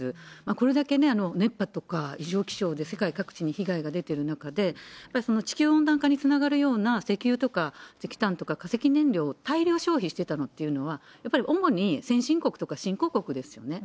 これだけ熱波とか、異常気象で世界各地に被害が出てる中で、やっぱりその地球温暖化につながるような、石油とか石炭とか化石燃料を大量消費してたのっていうのは、やっぱり主に先進国とか新興国ですよね。